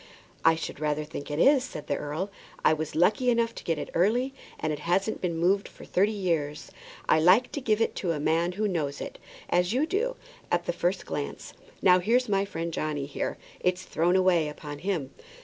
"I should rather think it is," said the earl. "I was lucky enough to get it early, and it hasn't been moved for thirty years. I like to give it to a man who knows it, as you do, at the first glance. Now there's my friend Johnny there; it's thrown away upon him."